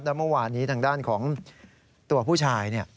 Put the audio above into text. แล้วเมื่อวานนี้ทางด้านของตัวผู้ชาย